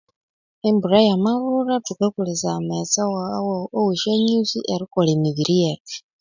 Embulha yamabulha thukakolhesa amaghetse owe syanyusi erikolha emibiri yethu